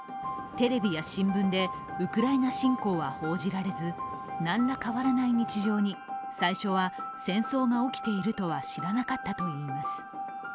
テレビや新聞でウクライナ侵攻は報じられず、何ら変わらない日常に最初は戦争が起きているとは知らなかったといいます。